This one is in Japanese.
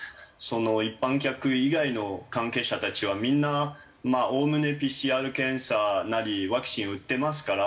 一般客以外の関係者たちはみんなまあおおむねＰＣＲ検査なりワクチン打ってますから。